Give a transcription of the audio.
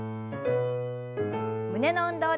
胸の運動です。